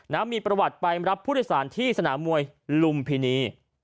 มีประวัติไปรับผู้โดยสารที่สนามมวยลุมพินี